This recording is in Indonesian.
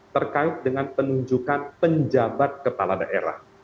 terkait dengan penunjukan penjabat kepala daerah